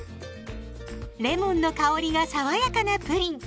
レモンの香りが爽やかなプリン！